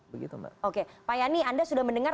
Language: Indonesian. begitu mbak oke pak yani anda sudah mendengar